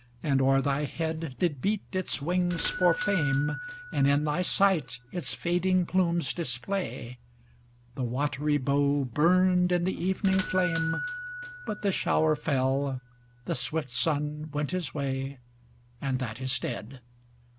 And o'er thy head did beat its wings for fame. And in thy sight its fading plumes dis play; The watery bow burned in the evening flame, But the shower fell, the swift sun went his way ŌĆö And that is dead.